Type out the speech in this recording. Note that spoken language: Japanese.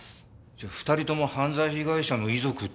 じゃあ２人とも犯罪被害者の遺族って事か？